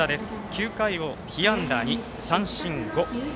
９回を被安打２、三振５。